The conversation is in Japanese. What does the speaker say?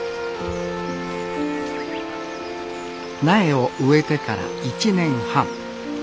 苗を植えてから１年半。